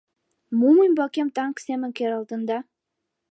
Мом ӱмбакем танк семын керылтында?